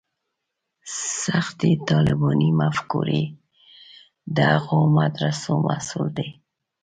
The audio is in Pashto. سختې طالباني مفکورې د هغو مدرسو محصول دي.